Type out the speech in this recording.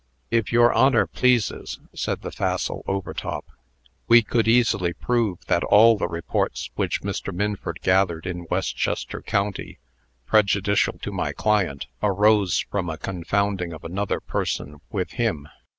"If your Honor pleases," said the facile Overtop, "we could easily prove that all the reports which Mr. Minford gathered in Westchester County, prejudicial to my client, arose from a confounding of another person with him.